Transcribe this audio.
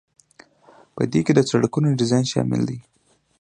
په دې کې د سړکونو ډیزاین شامل دی.